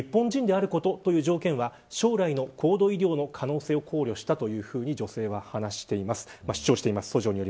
日本人であることという条件は将来の高度医療の可能性を考慮したというふうに話しています。